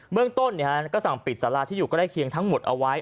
เมืองต้นก็สั่งปิดสาราที่อยู่ใกล้เคียงทั้งหมดเอาไว้